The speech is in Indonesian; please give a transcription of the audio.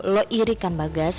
lo iri kan bagas